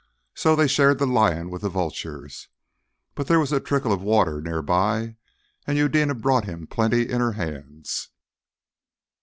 So they shared the lion with the vultures. But there was a trickle of water near by, and Eudena brought him plenty in her hands.